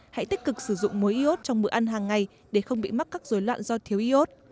hãy tích cực sử dụng mối iốt trong bữa ăn hàng ngày để không bị mắc các dối loạn do thiếu iốt